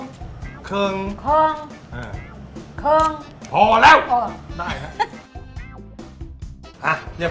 คนละเคิงเคิงเคิงเคิงพอแล้วพอได้ฮะอ่าเรียบร้อยแล้ว